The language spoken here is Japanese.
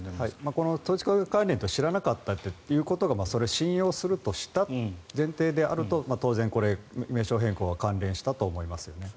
この統一教会関連と知らなかったというのがそれを信用するとした前提であると当然、これは名称変更が関連したと思いますよね。